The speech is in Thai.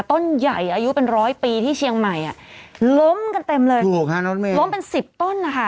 ต้นใหญ่อายุเป็นร้อยปีที่เชียงใหม่ล้มกันเต็มเลยล้มเป็นสิบต้นนะคะ